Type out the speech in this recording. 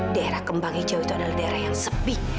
daerah kembang hijau itu adalah daerah yang sepi